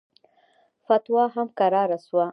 فتوا هم کراره سوه.